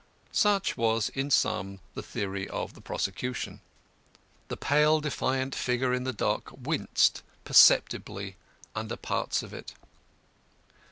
Such was in sum the theory of the prosecution. The pale, defiant figure in the dock winced perceptibly under parts of it.